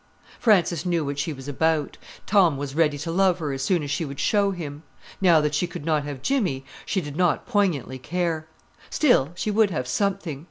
Frances knew what she was about. Tom was ready to love her as soon as she would show him. Now that she could not have Jimmy, she did not poignantly care. Still, she would have something.